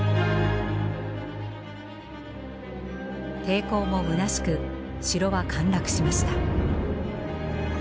抵抗もむなしく城は陥落しました。